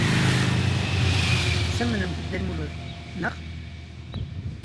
Tettamnemt Dda Lmulud, naɣ?